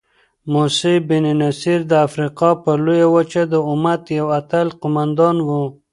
موسی بن نصیر د افریقا پر لویه وچه د امت یو اتل قوماندان وو.